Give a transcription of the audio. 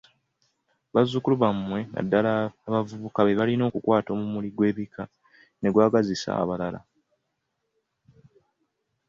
Bazzukulu bammwe naddala abavubuka be balina okukwata omumuli gw'ebika n'okugwagazisa abalala.